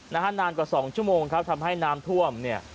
นานกว่า๒ชั่วโมงครับทำให้น้ำท่วมเนี่ย